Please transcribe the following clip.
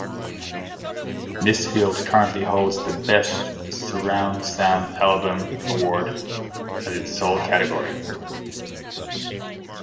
This field currently holds the Best Surround Sound Album award as its sole category.